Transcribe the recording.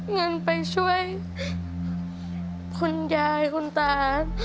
กันไปช่วยคนยายคนตา